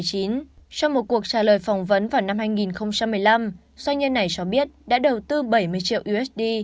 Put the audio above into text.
trong một cuộc trả lời phỏng vấn vào năm hai nghìn một mươi năm doanh nhân này cho biết đã đầu tư bảy mươi triệu usd